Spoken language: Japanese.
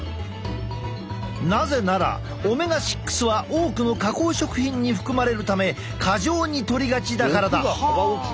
なぜならオメガ６は多くの加工食品に含まれるため過剰にとりがちだからだ。